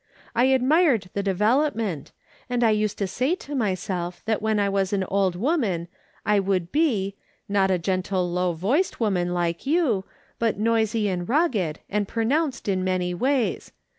I admired the development, and I used to say to myself that when I was an old woman I would be, not a gentle low voiced woman like you, but noisy and rugged, and pronounced in my ways.